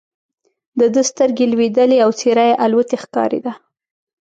د ده سترګې لوېدلې او څېره یې الوتې ښکارېده.